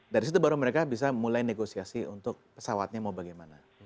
dari situ baru mereka bisa mulai negosiasi untuk pesawatnya mau bagaimana